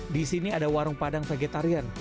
di sini ada warung padang vegetarian